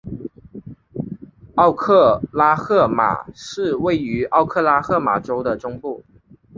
奥克拉荷马市位于奥克拉荷马州的中部。